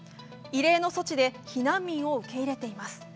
異例の措置で避難民を受け入れています。